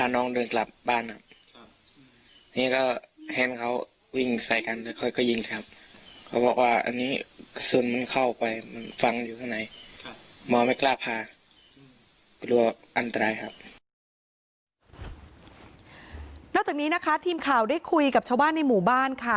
นอกจากนี้นะคะทีมข่าวได้คุยกับชาวบ้านในหมู่บ้านค่ะ